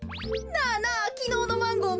なあなあきのうのマンゴー